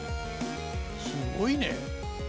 すごいね！